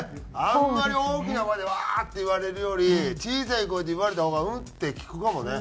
あんまり大きな声でウワーッて言われるより小さい声で言われた方が「うん？」って聞くかもね。